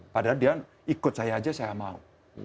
padahal dia ikut saya aja saya mau